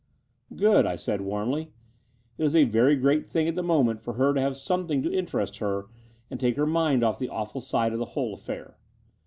"Good," I said warmly. "It is a very great thing at the moment for her to have something to interest her and take her mind off the awftil side of the whole affair.